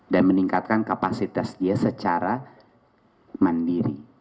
dan meningkatkan kapasitas dia secara mandiri